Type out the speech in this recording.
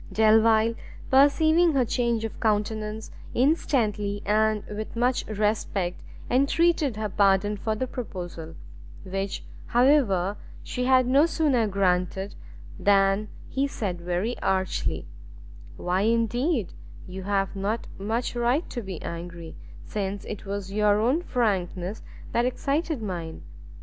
Delvile, perceiving her change of countenance, instantly, and with much respect, entreated her pardon for the proposal; which, however, she had no sooner granted, than he said very archly, "Why indeed you have not much right to be angry, since it was your own frankness that excited mine.